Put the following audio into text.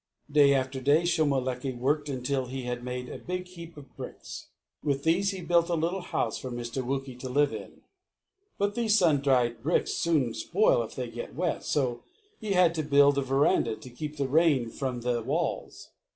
Day after day Shomolekae worked until he had made a big heap of bricks. With these he built a little house for Mr. Wookey to live in. But these sun dried bricks soon spoil if they get wet, so he had to build a verandah to keep the rain from the walls.